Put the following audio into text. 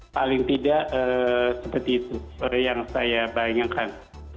paling tidak seperti itu seperti yang saya bayangkan